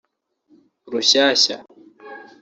rushyashya